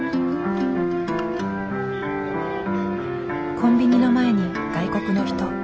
コンビニの前に外国の人。